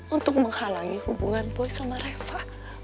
untuk menghalangi hubungan boy sama reva